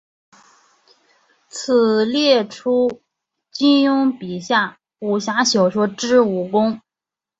此列出金庸笔下武侠小说之武功。